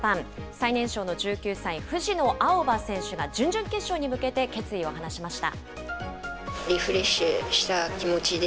最年少の１９歳、藤野あおば選手が、準々決勝に向けて決意を話しました。